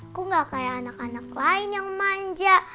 aku gak kayak anak anak lain yang manja